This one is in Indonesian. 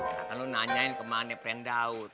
gak akan lo nanyain kemana friend daud